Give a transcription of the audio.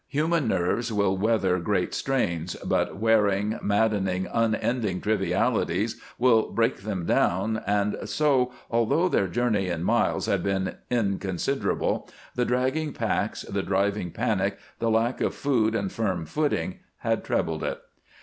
Human nerves will weather great strains, but wearing, maddening, unending trivialities will break them down, and so, although their journey in miles had been inconsiderable, the dragging packs, the driving panic, the lack of food and firm footing, had trebled it.